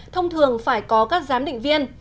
thông thường phải có các giám định viên